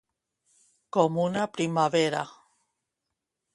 Com una primavera.